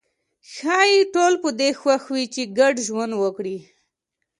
ښايي ټول په دې خوښ وي چې ګډ ژوند وکړي.